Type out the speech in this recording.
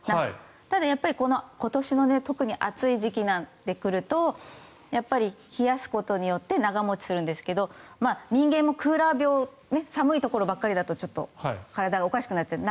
ただやっぱり、今年の特に暑い時期になってくると冷やすことによって長持ちするんですけど人間もクーラー病寒いところばかりだとちょっと体がおかしくなっちゃう。